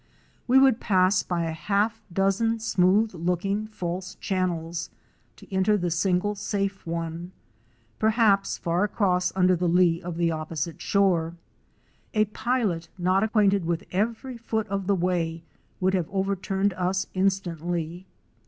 We would pass by a half dozen smooth looking false chan nels, to enter the single safe one, perhaps far across under the lee of the opposite shore. A pilot not acquainted with every foot of the way would have overturned us instantly.